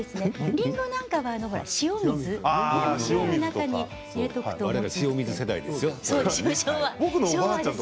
りんごなんかは塩水の中に入れておくと。